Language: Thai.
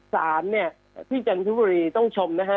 สารเนี่ยที่จันทบุรีต้องชมนะฮะ